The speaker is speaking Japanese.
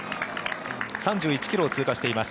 ３１ｋｍを通過しています。